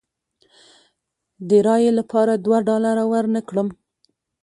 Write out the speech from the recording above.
د رایې لپاره دوه ډالره ورنه کړم.